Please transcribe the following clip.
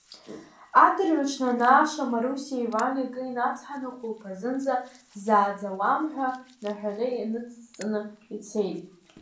Адырҩаҽны, анааша, Марусиеи Ивани акы инацҳаны, хәылԥазынӡа ҳзааӡуам, ҳәа наҳәаны, иныҵҵны ицеит.